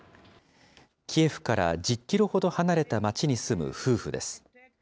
キエフから１０キロほど離れた町に住む夫婦です。